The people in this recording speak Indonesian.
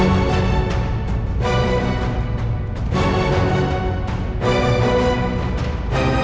benar kamu tidur bersama cynthia